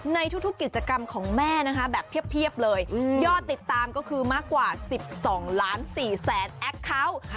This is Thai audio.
ในทุกกิจกรรมของแม่นะคะแบบเพียบเลยยอดติดตามก็คือมากกว่า๑๒ล้าน๔แสนแอคเคาน์